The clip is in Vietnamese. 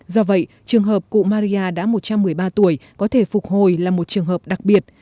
do vậy trường hợp cụ maria đã một trăm một mươi ba tuổi có thể phục hồi là một trường hợp đặc biệt